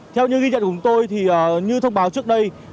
theo như ghi nhận của chúng tôi thì như thông báo trước đây